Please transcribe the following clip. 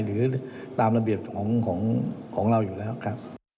หรือตามระเบียบของเราอยู่แล้วครับ